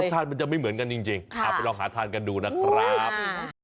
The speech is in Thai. ชาติมันจะไม่เหมือนกันจริงเอาไปลองหาทานกันดูนะครับ